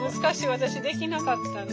私できなかったね。